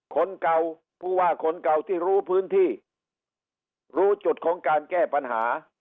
คนเก่าผู้ว่าคนเก่าที่รู้พื้นที่รู้จุดของการแก้ปัญหา